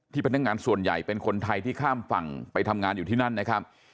พนักงานส่วนใหญ่เป็นคนไทยที่ข้ามฝั่งไปทำงานอยู่ที่นั่นนะครับ